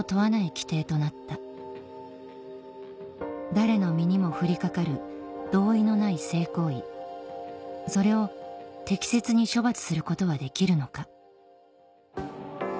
規定となった誰の身にも降りかかる同意のない性行為それを適切に処罰することはできるのか？